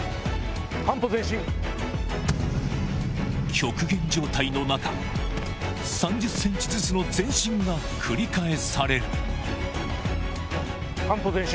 極限状態の中３０ｃｍずつの前進が繰り返される半歩前進。